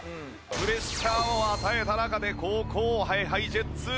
プレッシャーを与えた中で後攻ＨｉＨｉＪｅｔｓ。